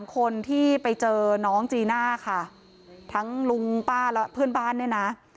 คนที่ไปเจอน้องจีน่าค่ะทั้งลุงป้าและเพื่อนบ้านเนี่ยนะ